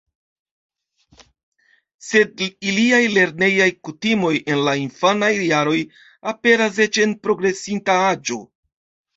Sed iliaj lernejaj kutimoj el la infanaj jaroj aperas eĉ en progresinta aĝo.